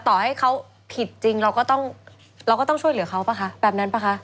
ต่อให้เขาผิดจริงเราก็ต้องเราก็ต้องช่วยเหลือเขาป่ะคะแบบนั้นป่ะคะ